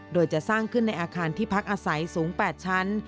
โดยจะสร้างขึ้นในอาคารที่พักอาศัยสูง๘ชั้น